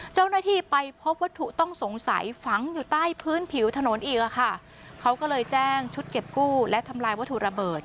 เจ้าหน้าที่ไปพบวัตถุต้องสงสัยฝังอยู่ใต้พื้นผิวถนนอีกอ่ะค่ะเขาก็เลยแจ้งชุดเก็บกู้และทำลายวัตถุระเบิด